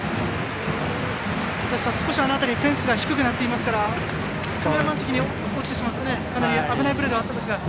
足達さん、あの辺りはフェンスが低くなっていますからカメラマン席に落ちてしまうと危ないプレーではありましたが。